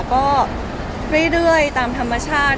ก็เรื่อยตามธรรมชาติ